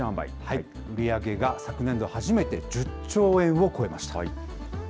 売り上げが昨年度、初めて１０兆円を超えました。